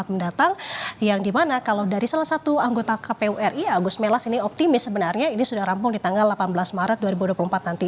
mendatang yang dimana kalau dari salah satu anggota kpu ri agus melas ini optimis sebenarnya ini sudah rampung di tanggal delapan belas maret dua ribu dua puluh empat nanti